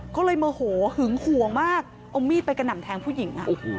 ก็เลยโมโหหึงห่วงมากเอามีดไปกระหน่ำแทงผู้หญิง